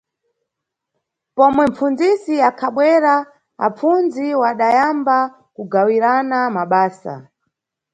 Pomwe mʼpfundzisi akhabwera, apfundzi wadayamba kugawirana mabasa.